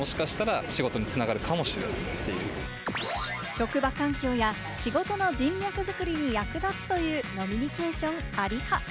職場環境や仕事の人脈作りに役立つという飲みニケーションあり派。